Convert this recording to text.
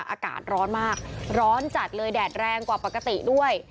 อากาศร้อนมากร้อนจัดเลยแดดแรงกว่าปกติด้วย